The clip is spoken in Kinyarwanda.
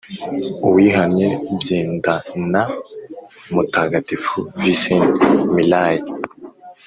"uwihannye" by edna mutagatifu visenti millay